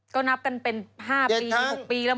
ก็นับกันเป็น๕ปี๖ปีแล้วมั้งครับ